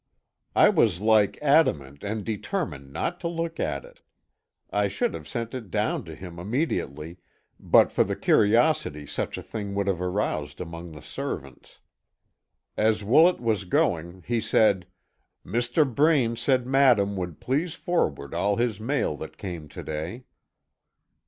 I was like adamant and determined not to look at it. I should have sent it down to him immediately, but for the curiosity such a thing would have aroused among the servants. As Woolet was going, he said: "Mr. Braine said Madame would please forward all his mail that came to day."